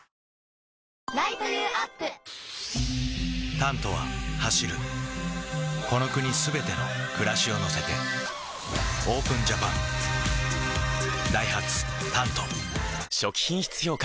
「タント」は走るこの国すべての暮らしを乗せてＯＰＥＮＪＡＰＡＮダイハツ「タント」初期品質評価